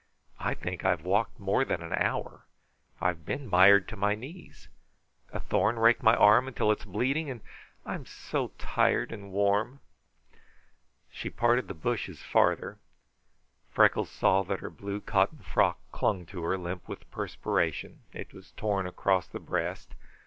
I think I've walked more than an hour. I have been mired to my knees. A thorn raked my arm until it is bleeding, and I'm so tired and warm." She parted the bushes farther. Freckles saw that her blue cotton frock clung to her, limp with perspiration. It was torn across the breast.